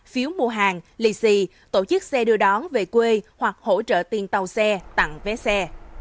phiếu mua hàng lì xì tổ chức xe đưa đón về quê hoặc hỗ trợ tiền tàu xe tặng vé xe